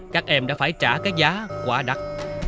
các em đã phải trả cái giá quá đắt